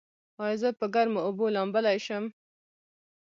ایا زه په ګرمو اوبو لامبلی شم؟